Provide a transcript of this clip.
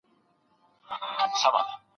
ګډي همکارۍ پرمختګ اسانه کړی و.